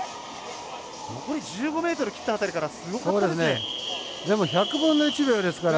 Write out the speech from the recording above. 残り１５ｍ切った辺りからすごかったですね。